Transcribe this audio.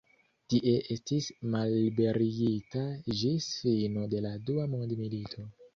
Tie estis malliberigita ĝis fino de la dua mondmilito.